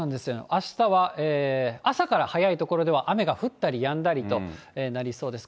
あしたは朝から早い所では雨が降ったりやんだりとなりそうです。